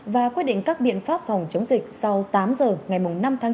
và quyết định các biện pháp phòng chống dịch sau tám giờ ngày năm tháng chín